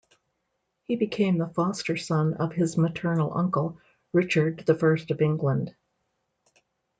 He became the foster son of his maternal uncle, Richard the First of England.